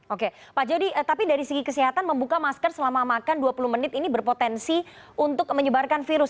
oke pak jody tapi dari segi kesehatan membuka masker selama makan dua puluh menit ini berpotensi untuk menyebarkan virus